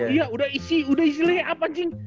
iya udah isi layup anjing